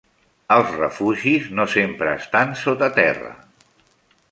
Els refugis no sempre estan sota terra.